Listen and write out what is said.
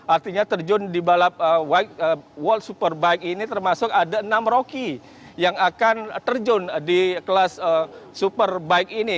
artinya terjun di balap world superbike ini termasuk ada enam rocky yang akan terjun di kelas superbike ini